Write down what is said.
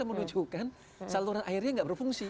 menunjukkan saluran airnya nggak berfungsi